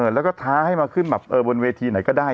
แล้วก็ท้าให้มาขึ้นแบบบนเวทีไหนก็ได้